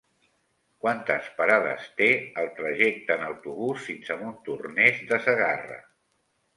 Quantes parades té el trajecte en autobús fins a Montornès de Segarra?